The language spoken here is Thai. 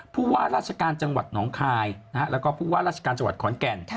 ผู้ว่าราชการจังหวัดหนองคายแล้วก็ผู้ว่าราชการจังหวัดขอนแก่น